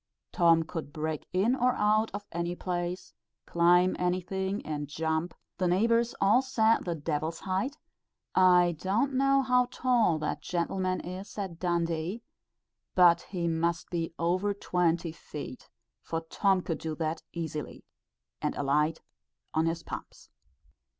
Tom could break in or out of any place, climb anything, and jump the neighbours all said "the d l's height;" I don't know how tall that gentleman is at Dundee, but he must be over twenty feet, for Tom could do that easily, and alight on his pumps.